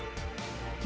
dalam keterangan foto